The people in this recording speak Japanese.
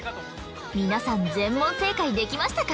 皆さん全問正解できましたか？